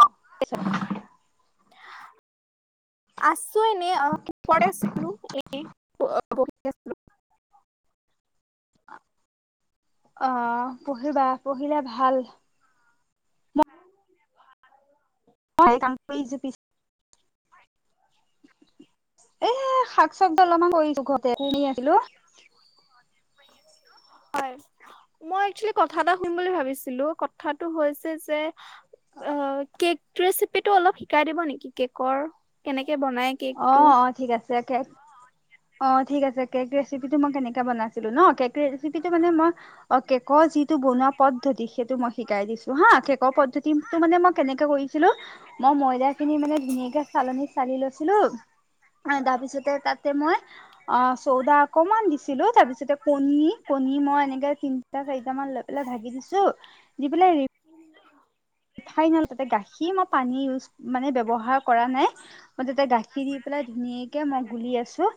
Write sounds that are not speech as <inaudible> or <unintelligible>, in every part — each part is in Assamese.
অ আছো এনেই অ পৰে আছিলো এ প পঢ়ি আছিলো অ পঢ়িবা পঢ়িলে ভাল। হয় কাম কৰিছ পিছ এ শাক চাক অলপমান কৰিছো ঘৰতে শুনি আছিলো হয় মই একচেলি কথা এটা শুম বুলি ভাবিছিলো কথাটো হৈছে যে, অ কেক ৰেচিপি টো অলপ শিকাই দিব নেকি? কেকৰ কেনেকে কে বনাই কেক অ টো? অ ঠিক আছে অ ঠিক আছে কেক ৰেচিপিটো মই কেনেকে বনাইছিলো ন, কেক মানে মই কেকৰ জি টো বনোৱা পদ্ধতি সেইটো মই শিকাই দিছো হা, কেকৰ পদ্ধতি টো মানে মই কেনেকে কৰিছিলো মই ময়দা খিনি মানে ধুনীয়াকে চালনিত চালি লৈ ছিলো তাৰ পিছতে তাতে মই আ চদা অকনমান দিছিলো। তাৰ পিছতেই কণী, মই এনেকে তিনটা চৰিটা মান লৈ পেলাই ভাগি দিছো। দি পেলাই ফাইনেল তাতে গাখি মই পানী ইউজ মানে ব্যৱহাৰ কৰা নাই। মই তাতে গাখি দি পেলাই ধুনীয়াকে মই গুলি আছো।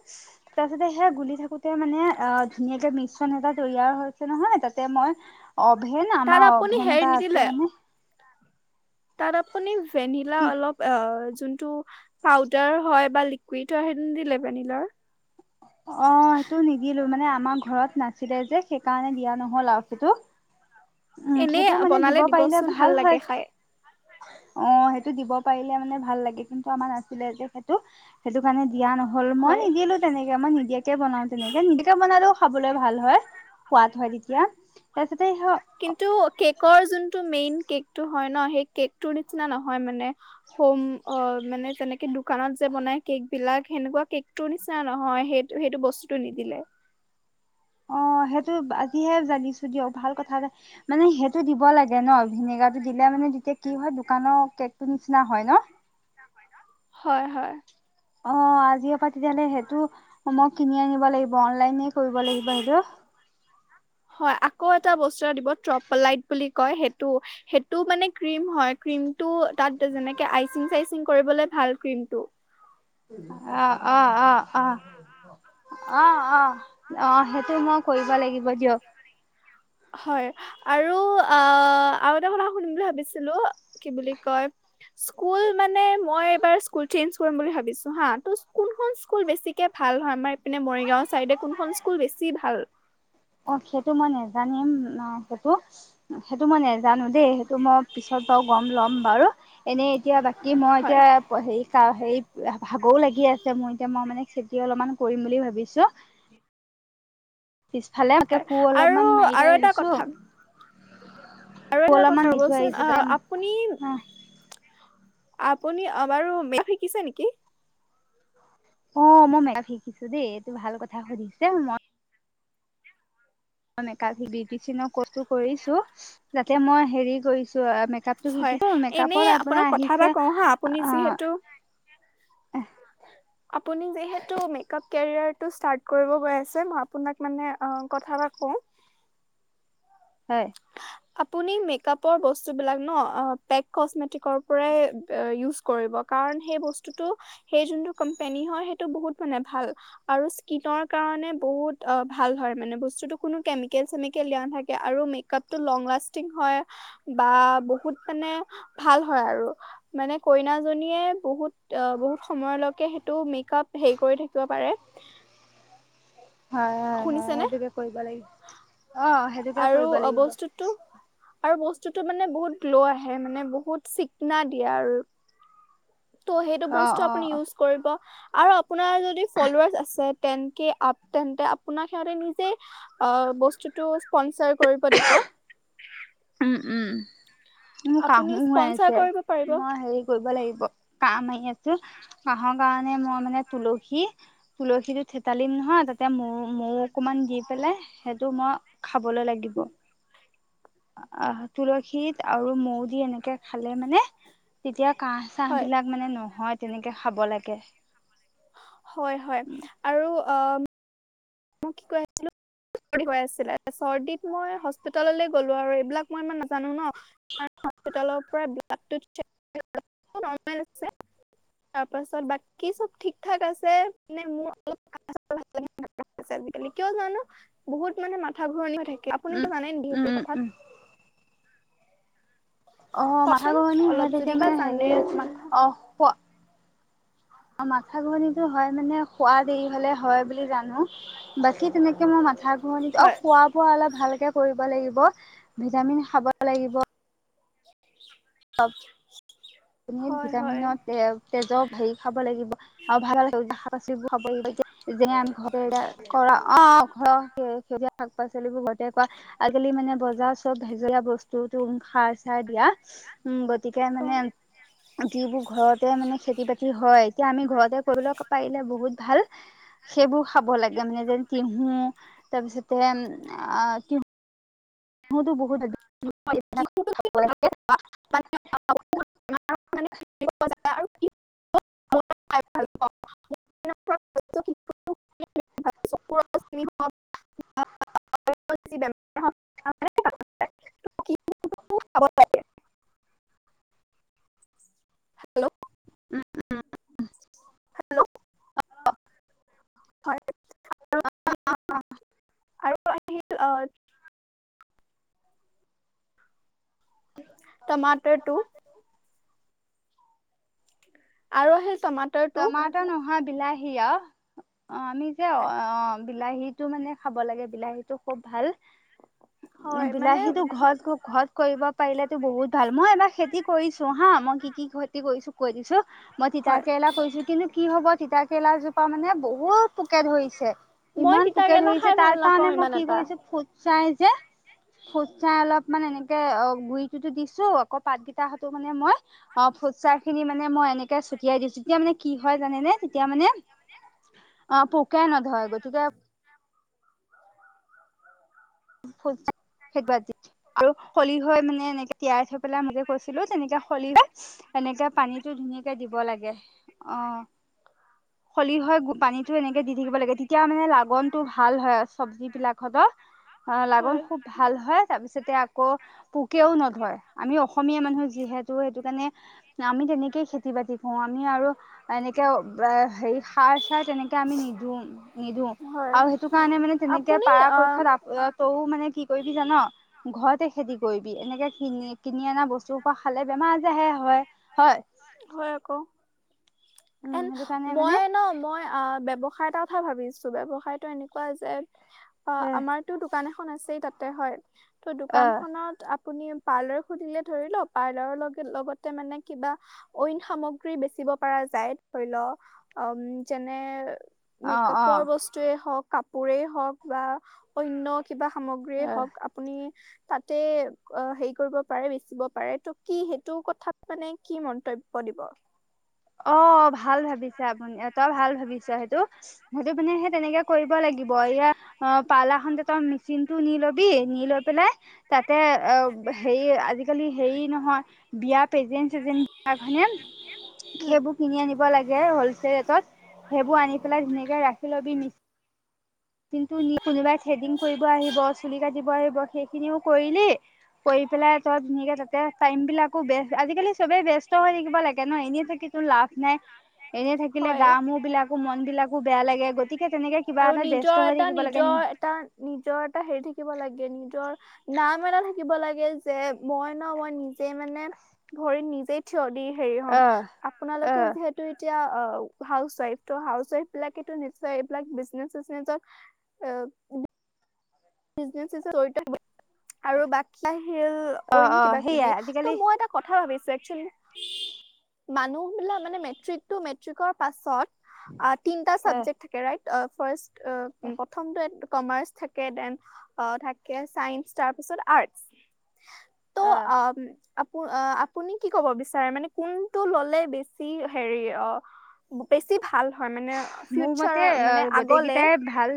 তাৰ পাছতে সেয়া গুলি থাকোতে মানে ধুনাকে মি এটা জৰিয়াৰ হৈছে নহয় তাতে মই অভেন তাত আমাৰ আপুনি অভেন এটা আছে মানে তাৰ আপুনি ভেনিলা কি অলপ অ কিন্তু পাউদাৰ হয় বা লিকোইট হয় সেইটো দিলে ভেনিলাৰ অ সেইটো নিদিলো মানে আমাৰ ঘৰত নাছিলে যে সেইকাৰণে দিয়া নহল আৰু সেইটো। উম এনে সেইটোও মানে বনালে দিব পাৰিলে দিবচোন ভাল লাগে হয়, খাই অ সেইটো দিব পাৰিলে মানে ভাল লাগে কিন্তু আমাৰ নাছিলে যে সেইটো। সেইটো কাৰণে দিয়া নহ'ল মই হয় নিদিলো তেনেকে। নিদিয়াকে বনাও তেনেকে নিদিয়াকে বনালেও খাবলৈ ভাল হয় সোৱাদ হয় তেতিয়া। তাৰ পিছতে কিন্তু স কেকৰ যোনটো মেইন কেক্‌টো হয় ন, সেই কেকতোৰ নিচিনা নিচি নহয় মানে হোম অ মানে যেনেকে দোকানত যে বনায় কেকবিলাক হেনেকুৱা, কেকটো নিচিনা নহয় সেইটো সেইটো বস্তুটো নিদিলে অ সেইটো আজিহে জানিছো দিয়ক। ভাল কথা এ মানে সেইটো দিব লাগে ন, ভিনেগাৰটো দিলে মানে তেতিয়া কি হয় দোকানৰ কেকটো নিচিনা হয় ন? হয় হয় অ আজি পৰা তেতিয়াহলে সেইটো মই কিনি আনিব লাগিব অনলাইনে কৰিব লাগিব সেইটো। হয় আকৌ এটা বস্তু এটা দিব ত্ৰপলাইট বুলি কয়, সেইটো সেইটো মানে ক্ৰীম হয়, ক্ৰীমটো তাত যেনেকৈ আইচিং- চাইছিং কৰিবলৈ ভাল ক্ৰীমটো আ' আহ আ আহ আহ আহ অ সেইটো মই কৰিব লাগিব। হব দিয়ক হয়, আৰু অ' আৰু এটা কথা সুধিবলৈ ভাবিছিলো কি বুলি কয়, স্কুল মানে মই এইবাৰ স্কুল চেঞ্জ কৰিম বুলি ভাবিছোঁ হাঁ ত কোনখন স্কুল বেছিকৈ ভাল হয় আমাৰ এইপিনে মৰিগাঁও, চাইদে কোনখন স্কুল বেছি ভাল। অ' সেইটো মই নেজানিম ন সেইটো সেইটো মই নেজানো দেই সেইটো মই পিছত বাৰু গম ল'ম বাৰু এনেই এতিয়া বাকী কি মই হয় এতিয়া হেৰি কা হেৰি ভাগৰও লাগি আছে মোৰ এতিয়া মই মানে খেতি অলপমান কৰিম বুলি ভাবিছোঁ। পিছফালে তাকে কোৰ আৰু অলপমান মাৰিব আৰু এটা আহিছো কথা আৰু কোৰ এটা অলপমান কথা মাৰি থৈ ৰবচোন আহিছো আহ আপুনি আপুনি বাৰু মেকাপ শিকিছে নেকি? <unintelligible> অঁ মই মেকাপ শিকিছো দেই এইটো ভাল কথা সুধিছা। মই মই মেকাপ বিউতিচিয়ানৰ কৰ্চ টো কৰিছো যাতে মই হেৰি কৰিছো। মেকআপটো হয়, শিকিছো এনে মেকআপত আপোনাৰ আপোনাক কথা আহিছে এটা কওঁ হা আপুনি অ যিহেতু আপুনি যিহেতু মেকআপ কেৰিয়াৰটো স্তাৰ্ত কৰিব গৈ আছে মই আপোনাক মানে অঁ কথা এটা কওঁ- হয় আপুনি মেকাপৰ বস্তুবিলাক ন্ আহ্ পেক কস্মেটিকৰ পৰাই ইউজ কৰিব, কাৰণ সেই বস্তুটো সেই যোনটো কোম্পানীৰ, হয়। সেইটো বহুত মানে ভাল আৰু স্কিনৰ কাৰণে বহুত অ্ ভাল হয় মানে বস্তুটো কোনো কেমিকেল-চেমিকেল দিয়া নাথাকে আৰু মেকাপটো লংলাচটিঙ হয়। বা বহুত মানে ভাল হয় আৰু মান কইনা জনীয়ে বহুত সময়লৈকে হেৰি কৰি থাকিব পাৰে হয় হয় হয় শুনিছেনে সেইটোকে কৰিব লাগিব। অ সেইটোকে আৰু কৰিব লাগিব বস্তুটো আৰু বস্তু বস্তুোটো মানে বহুত ল' আহে মানে বহুত চি না দিয়া আৰু ত' সেইটো অ বস্তু অ আপুনি ইউজ কৰিব। আৰব আপোনাৰ যদি ফলৱাৰ্চ আছে। তেন্তে আপোনাক সিহঁতে নিজে বস্তুটো স্পনচাৰ কৰিব দিব। উম উম মোৰ আপুনি কাহো হৈ স্পনচাৰ আছে কৰিব পাৰিব মই হেৰি কৰিব লাগিব কাম আহি আছে কাহক কাৰণে মই মানে তুলসী তুলসীটো থেতালিম নহয় তাতে মৌ, মৌ অকমান দি পেলাই সেইটো মই খাবলৈ লাগিব। আহ তুলসীত, আৰু মৌ দি এনেকে খালে মানে। তেতিয়া কাহ চাহ হয়। বিলাক মানে নহয়। তেনেকৈ খাব লাগে। হয় হয়। আৰু চৰ্দত মই হস্পিতেলৈ গলো আৰু, এইবিলাক মই ইমান নাজানো ন পৰা তাৰপাছত বাকী চব ঠিক থাক আছে মে মোৰ অ। আজিকালি কিয় জানো বহুত মানে মাথা ঘূৰণিও থাকে আপুনি উম কিয় জানে নেকি উম সেইটো উম কথাত। উম অ, মাথা কওকচোন ঘুৰণি হয় অলপ যদি তেতিয়া বা মানে জানে হেৰি অ মাথা খোৱা। অ, মাথা ঘুৰণি হয় মানে খোৱাদ দেৰিহলে হয় বুলি। বাকি তেনেকে মই মাথা ঘৰণি অ, হয় খোৱা বোৱা অলপ ভালকে কৰিব। ভিটামিন খাব লাগিব। <unintelligible> <unintelligible> হয় হয় তেজৰ ভেৰি খাব। লাগিব আৰু ভাল হলে ভাল। পাচিবোৰ খাব আহিব যে <unintelligible> যে, আমি ঘৰ কৰা অ ঘৰৰ। শাক পাচলি বোৰ গোতেই কোৱা আজিকালি মানে বজাৰ চব ভেজলীয়া বস্তু বুৰ খাৰ চাৰ দিয়া। উম গতিকে মানে। যিবোৰ ঘৰতে মানে খেতি বাতি হয় এতিয়া আমি ঘৰতে কৰিবলৈ পাৰিলে বহুত ভাল, সেইবোৰ খাব লাগে মানে যেন তিহু তাৰপিছতে আ তিহু। মোৰতো বহুত। <inaudible> মানে আৰু। ভালুৰম <unintelligible> হেল্ল'। উম উম। হয়। আৰু আহিল আহ। তমাটাৰ টু। আৰু আহিল টমাটাৰটো। টমাটৰ নহয় বিলাহী অ আমি যে অ বিলাহীটো মানে খাব লাগে, বিলাহীটো খুব ভাল। উম, হয় মানে বিলাহীটো ঘৰত ঘৰত কৰিব পাৰিলেতো বহুত ভাল মই এবাৰ খেতি কৰিছো হা, মই কি কি খেতি কৰিছো কৈ দিছো। মই হয় তিতাকেৰেলা কৈছো কিন্তু কি হ'ব তিতাক। তিতাকেৰেলাজোপা মানে বহুত পোকে ধৰিছে। মই ইমান পোকে তিতাকেৰেলা ধৰিছে খাই তাৰ ভাল কাৰণে নাপাওঁ মই ইমান কি এটা। কৰিছো ফ। ফুট ছাই যে, ফুট ছাঁই অলপ মান এনেকে অ গুৰিটোতো দিছো আকৌ পাতকিতা মানে মই অ ফুট ছাই খিনি মানে মই এনে। ছটিয়াই দিছো তেতিয়া মানে কি হয় জানেনেে? তেতিয়া মানে অ পোকাই নধৰে গতিকে আৰু হলি হৈ মানে এনেকে তিয়াই থৈ পেলাই মই যে কৈছিলো তেনেকে এনেকে পানীটো ধুনীয়াকে দিব লাগে। খলিহৈ পানীতটো এনেকে দি থাকিব লাগে তেতিয়া মানে লাগনটো ভাল হয় চবজি বিলাকতো। অ' লাগন হয়। খুব ভাল হয় তাৰপিছত আকৌ পোকেও নধৰে আমি। অসমীয়া মানুহ যিহেতু সেইটো কাৰণে আমি তেনেকেই খেতি বাতি কৰো আমি আৰু এনেকে হে সাৰ চাৰ তেনেকে আমি নিদো -নিদো হয় আৰু সেইটো কাৰণে মানে তেনেকে আপুনি অ পৰাপক্ষত আপ মানে কি কৰিবি জান' ঘৰতে খেতি কৰিবি এনেকে কিনি -কিনি অনা বস্তু পৰা খালে বেমাৰ আজাৰ হে হয়- হয়। হয় আকৌ। উম এন সেইটো কাৰণে মানে মই ন মই। ব্যৱসায় এটা কথা ভাবিছো ব্যৱসায়তো এনেকুৱা যে অ' এ আমাৰতটো দোকান এখন। খন আছেই তাতে হয়। ত' দোকান অ খনত। আপুনি পাৰ্লাৰ খুুলিলে ধৰি লও পাৰ্লাৰৰ লগ লগতে মানে কিবা। অইন সামগ্ৰী বেচিব পৰা যায় ধৰি লও উম যেনে অ মেকআপৰ বস্তুৱয়ে হওক। কাপোৰেই হওক বা অন্য কিবা সামগ্ৰীয়ে অ হওক আপুনি। তাতে অ' হেৰি কৰিব পাৰে বেচিব পাৰে ত' কি সেইটো কথাত মানে কি মন্তব্য। দিব? অ 'ভাল ভাবিছ আপুনি তই ভাল ভাবিছ সেইটো সেইটো মানে সেই তেনেকে কৰিব লাগিব ইয়াৰ অ' পাৰ্লাৰ খনতে তই মেচিন টো নি লবি নি লৈ পেলাই তাত। হেৰি আজিকালি হেৰি নহয় বিয়া পেজেণ্ট চেজেন্ট বিলাক উম সেইবোৰ কিনি আনিব লাগে হলচেল ৰেটত সেইবোৰ আনি পেলাই ধুনীয়াকে ৰাখি। ৰবি নি কিন্তু নি কোনোবাই থ্ৰেডিং কৰিব আহিব চুলি কাটিব আহিব সেইখিনিও কৰিলি কৰি। পেলাই তই ধুনীয়াকৈ তাতে টাইমবিলাকো বেষ্ট আজিকালি চবেই ব্যস্ত হৈ থাকিব লাগে ন এনেই থাকি তোৰ লাভ। নাই এনেই থাকিলে হয় গা মোৰ বিলাকো মন বিলাক। বেয়া লাগে গতিকে তেনেকে কিবা আৰু এটা। নিজৰ এটা নিজৰ এটা নিজৰ এটা হেৰি থাকিব লাগে নিজৰ। নাম এটা থাকিব লাগে যে মই ন মই নিজে মানে ভৰিত নিজে থিয় দি হেৰি হম অহ আপোনালোকে অহ যিহেতু এতিয়া। অ হাউচ ৱাইফ তো হাউচৱাইফ এইবিলাকেটো নিশ্চয় এইবিলাক বিজনেচ চিজনেচত এ নে জড়িত আৰু বাকী <unintelligible> শিল অ অইন অ কিবা কিবি সেইয়াই ত আজিকালি মই এটা কথা ভাৱিছো। চেকচন মানুহ বিলাক মানে মেট্ৰিক টো মেট্ৰিকৰ পাছত তিনটা অ চাবজেক্ট থাকে ৰাইট অ ফাৰ্ষ্ট অ উ প্ৰথমটো এক কমাৰ্চ থাকে দেন অ থাকে চাইন্স তাৰপিছত আৰ্টচ ত অ আম অ আপুনি কি ক'ব বিচাৰে মানে কোনটো ললে বেছি হেৰি অ বেছি ভাল হয় মানে মোৰ ফিউচাৰ মতে অ মানে আগলে গোটেইকেইটাই ভাল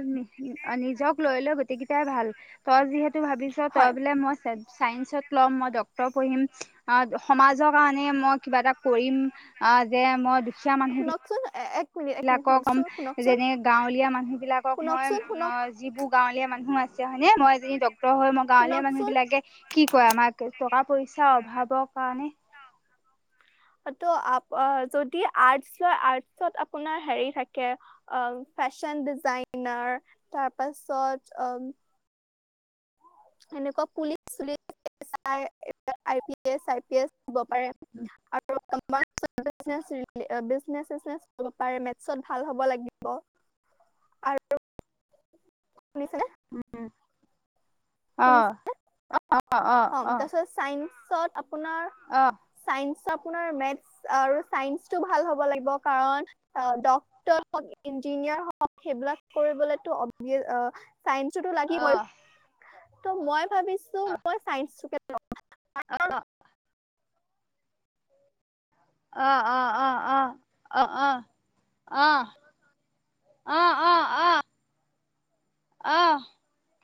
নিজক লৈ লৈ গোটকেইটাই ভাল তই যিহেতু ভাৱিছ তই হয় বোলে মই চে চায়েঞ্চত লম মই ডক্তৰ পঢ়িম সমাজৰ কাৰণে মই কিবা এটা কৰিম আ যে মই দুখীয়া মানুহ শুনকচোন এ <unintelligible> বিলাকক অম যেনে গাঁৱলীয়া মানুহ বিলাকক মই শুনকচোন অ শুনক যিবোৰ গাঁৱলীয়া মানুহ আছে হয়নে মই এজনী ডক্টৰ হৈ মই গাঁৱলীয়া মানুহ শুনকচোন বিলাকে কি কয় আমাক টকা পইচাৰ অভাৱৰ কাৰণে <unintelligible> ত আ যদি আৰ্টচ ল আৰ্টচত আপোনাৰ হেৰি থাকে ফেশ্বন ডিজাইনাৰ তাৰপাছত অম <unintelligible> এনেকোৱা পুলিচ চুলিছ I P S I P S হব পাৰে আৰু কমাৰ্চত বিজনেছ ৰিলেট বিজনেছ-চিছনেজ কৰিব পাৰে মেটচত ভাল হব লাগিব আৰু উম অহ শুনিছে অ, অহ অহ অহ অহ চত আপোনাৰ চাইন্সত আপোনাৰ মেথচ আৰু চাইন্সটো ভাল হব লাগিব কাৰণ ডক্টৰ হক ইঞ্জিনিয়াৰ হওক সেইবিলাক কৰিবলেতো অবিয়েচ অ <unintelligible> চাইন্ঞ্চোতো অ লাগিবই <unintelligible> ত মই ভাৱিছো মই চাইঞ্চটোকে অ অহ অহ অহ অহ অহ অহ অহ অহ অহ অহ অহ